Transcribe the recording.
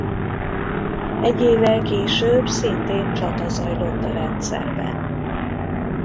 Egy évvel később szintén csata zajlott a rendszerben.